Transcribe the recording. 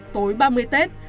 tối ba mươi tết